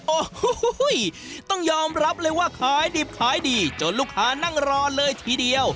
โอ้โหต้องยอมรับเลยว่าขายดิบขายดีจนลูกค้านั่งรอเลยทีเดียว